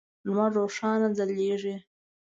لمر روښانه ځلیږی